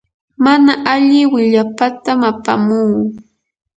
mana alli willapatam apamuu.